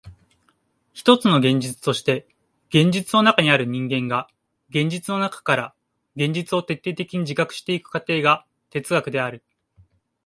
ひとつの現実として現実の中にある人間が現実の中から現実を徹底的に自覚してゆく過程が哲学である。